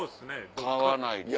買わないと。